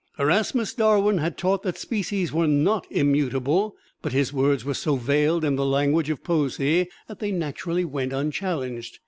Erasmus Darwin had taught that species were not immutable, but his words were so veiled in the language of poesy that they naturally went unchallenged.